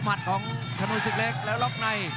มัดของถนนศึกเล็กแล้วล็อกใน